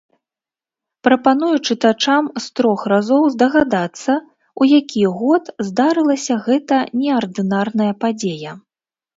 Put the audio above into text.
Прапаную чытачам з трох разоў здагадацца, у які год здарылася гэта неардынарная падзея.